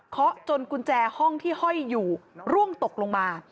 เขาจนกุญแจห้องที่ห้อยอยู่ร่วงตกลงมา